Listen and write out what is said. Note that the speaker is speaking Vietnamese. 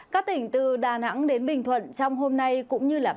các tỉnh từ đà nẵng đến bình thuận trong hôm nay cũng như ba ngày tới